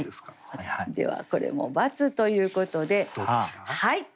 はいではこれも×ということで。